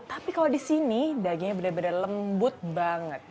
tapi kalau di sini dagingnya benar benar lembut banget